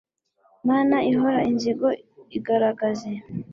Mana ihora inzigo igaragaze